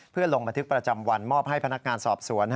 เพื่อลงบันทึกประจำวันมอบให้พนักงานสอบสวน